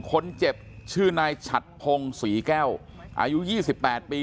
คนเจ็บชื่อนายฉัดพงศรีแก้วอายุ๒๘ปี